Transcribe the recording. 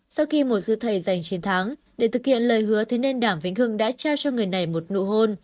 sau khi một sư thầy giành chiến thắng để thực hiện lời hứa thế nên đàm vĩnh hương đã trao cho người này một nụ hôn